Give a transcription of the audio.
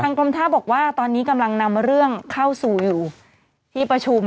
กรมท่าบอกว่าตอนนี้กำลังนำเรื่องเข้าสู่อยู่ที่ประชุม